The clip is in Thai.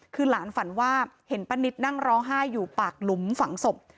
คือหลานฝันว่าเห็นป้านิตนั่งร้องไห้อยู่ปากหลุมฝังศพ